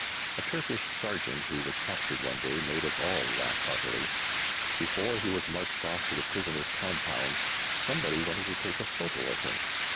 A Turkish sergeant who was captured one day made us all laugh heartily. Before he was marched off to the prisoners' compound somebody wanted to take a photo of him.